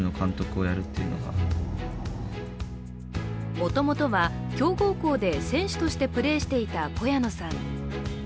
もともとは強豪校で選手としてプレーしていた小谷野さん。